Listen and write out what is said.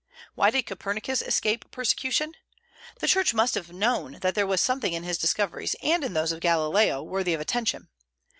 Why did Copernicus escape persecution? The Church must have known that there was something in his discoveries, and in those of Galileo, worthy of attention.